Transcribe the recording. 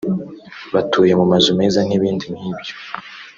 batuye mu mazu meza n’ibindi nk’ibyo